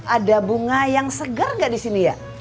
ada bunga yang segar nggak di sini ya